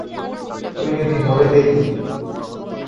তুই যদি মরে যেতি।